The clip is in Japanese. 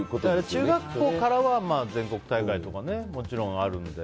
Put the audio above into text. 中学校からは全国大会とかはもちろんあるので。